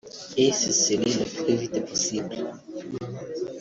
Et ce serait le plus vite possible…)